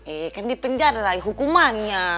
iya kan dipenjarai hukumannya